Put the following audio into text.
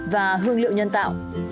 và hương liệu nhân tạo